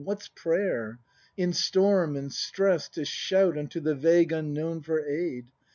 What's prayer ? In storm and stress to shout Unto the vague Unknown for aid.